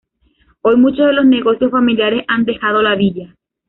Hoy, muchos de los negocios familiares han dejado la villa.